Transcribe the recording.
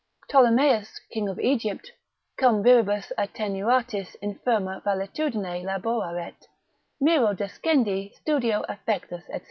Ptolomeus king of Egypt, cum viribus attenuatis infirma valetudine laboraret, miro descendi studio affectus, &c.